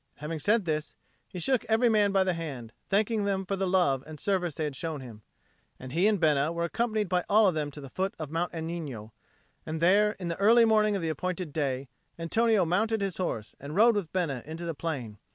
And having said this, he shook every man by the hand, thanking them for the love and service they had shown him; and he and Bena were accompanied by all of them to the foot of Mount Agnino; and there, in the early morning of the appointed day, Antonio mounted his horse and rode with Bena into the plain.